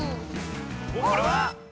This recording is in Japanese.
これは⁉